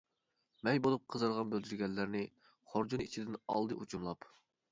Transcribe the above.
مەي بولۇپ قىزارغان بۆلجۈرگەنلەرنى، خۇرجۇنى ئىچىدىن ئالدى ئوچۇملاپ.